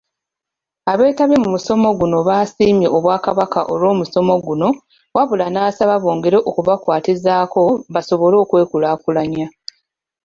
Abeetabye mu musomo guno basiimye Obwakabaka olw'omusomo guno wabula nasaba bongere okubakwatizaako basobole okwekulaakulanya.